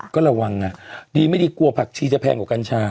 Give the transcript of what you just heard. ก็ระวังดีไม่ดีกลัวผักชีจะแพงกว่ากัญชา